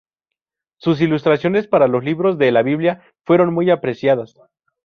Sus ilustraciones para "Los Libros de la Biblia" fueron muy apreciadas.